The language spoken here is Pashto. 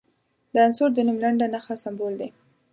د عنصر د نوم لنډه نښه سمبول دی.